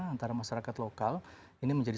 antara masyarakat lokal ini menjadi